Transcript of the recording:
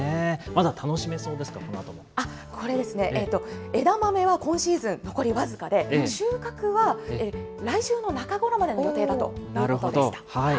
まだ楽しめそうですか、このあとこれですね、枝豆は今シーズン残り僅かで、収穫は来週の中頃までの予定だということでした。